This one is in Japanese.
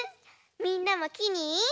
みんなもきに。